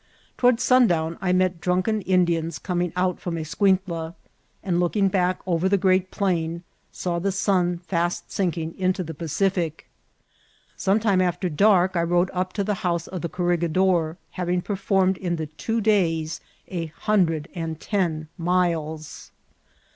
Toward sundown I met drunken Indaans oommg out from Eflcnintla, and, looking back ovra the great plain, saw the snn fast sinking into the Paoifio. Borne time after dark I rode up to the house of the cor« Tegidor^ katving performed in the two days a hundred and ten miles.